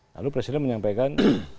lalu presiden menyampaikan